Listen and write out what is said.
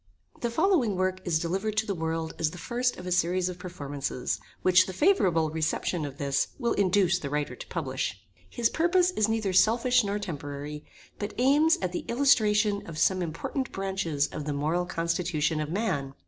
The following Work is delivered to the world as the first of a series of performances, which the favorable reception of this will induce the Writer to publish. His purpose is neither selfish nor temporary, but aims at the illustration of some important branches of the moral constitution of man.